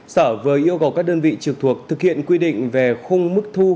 sở vừa yêu cầu các đơn vị trực thuộc thực hiện quy định về khung mức thu